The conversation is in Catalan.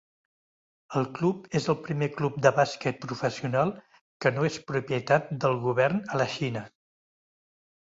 El club és el primer club de bàsquet professional que no és propietat del govern a la Xina.